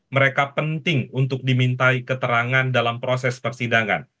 mereka penting untuk dimintai keterangan dalam proses persidangan